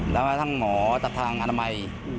แม้ทั้งหมอจากทางอนามัย